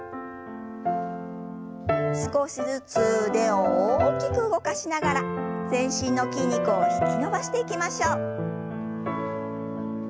少しずつ腕を大きく動かしながら全身の筋肉を引き伸ばしていきましょう。